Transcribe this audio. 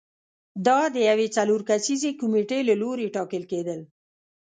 دا د یوې څلور کسیزې کمېټې له لوري ټاکل کېدل